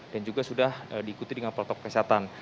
dan juga sudah diikuti dengan protokol kesehatan